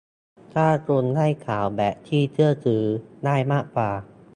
ถ้าคุณได้ข่าวแบบที่เชื่อถือได้มากว่า